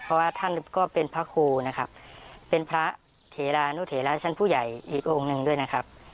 เพราะว่าท่านก็เป็นพระครูนะครับเป็นพระเถรานุเถระชั้นผู้ใหญ่อีกองค์หนึ่งด้วยนะครับ